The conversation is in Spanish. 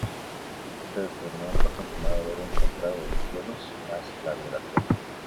Este descubrimiento ha confirmado haber encontrando el cielos más claro de la Tierra.